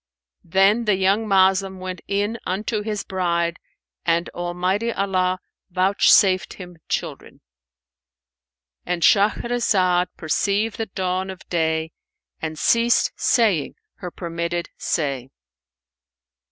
Then the young Moslem went in unto his bride and Almighty Allah vouchsafed him children,—And Shahrazad perceived the dawn of day and ceased saying her permitted say.